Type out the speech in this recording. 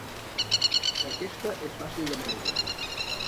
Aquesta és fàcil de manejar.